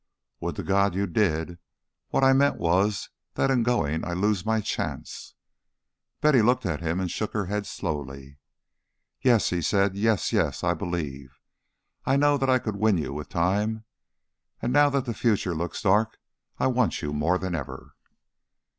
"Would to God you did! What I meant was that in going I lose my chance." Betty looked at him and shook her head slowly. "Yes!" he said. "Yes! Yes! I believe, I know that I could win you with time. And now that the future looks dark I want you more than ever."